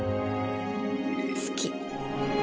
好き。